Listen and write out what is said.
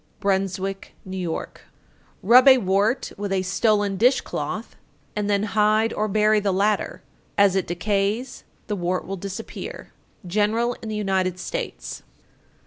Bruynswick, N.Y. 898[TN 7] Rub a wart with a stolen dish cloth, and then hide or bury the latter. As it decays, the wart will disappear. _General in the United States.